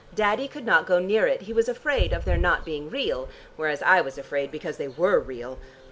Daddy could not go near it: he was afraid of their not being real, whereas I was afraid because they were real.